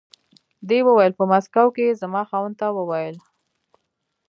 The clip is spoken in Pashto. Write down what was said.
دې وویل په مسکو کې یې زما خاوند ته و ویل.